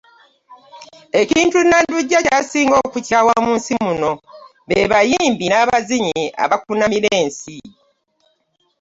Ekintu Nandujja ky’asinga okukyawa mu nsi muno be bayimbi n’abazinyi abakunamira ensi.